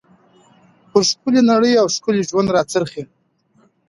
پر ښکلى نړۍ او ښکلي ژوند را څرخي.